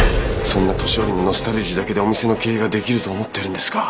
そんな年寄りのノスタルジーだけでお店の経営ができると思ってるんですか？